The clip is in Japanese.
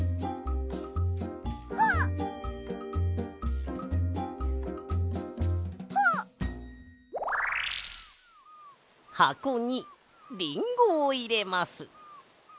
はこにりんごをいれます。